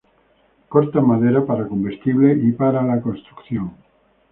Cortan madera para combustible y para la construcción.